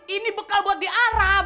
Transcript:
ini bekal buat di arab